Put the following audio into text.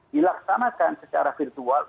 dilaksanakan secara virtual